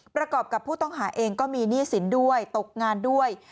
ประกอบกับผู้ต้องหาเองก็มีหนี้สินด้วยตกงานด้วย